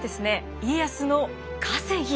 家康の稼ぎ